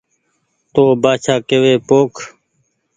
تو بآڇآڪيوي پوک